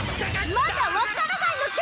まだ分からないのけ！？